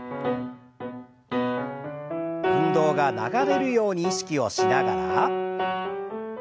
運動が流れるように意識をしながら。